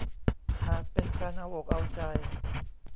อาจเป็นการเอาอกเอาใจ